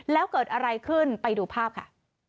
แล้วเกิดอะไรขึ้นไปดูภาพค่ะ